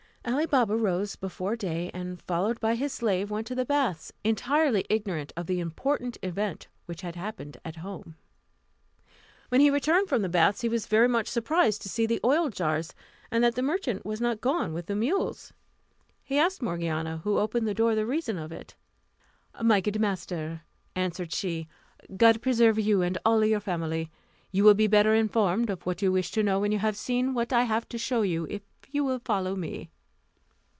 Ali Baba rose before day, and, followed by his slave, went to the baths, entirely ignorant of the important event which had happened at home. When he returned from the baths, he was very much surprised to see the oil jars, and that the merchant was not gone with the mules. He asked Morgiana, who opened the door, the reason of it. "My good master," answered she, "God preserve you and all your family. You will be better informed of what you wish to know when you have seen what I have to show you, if you will follow me."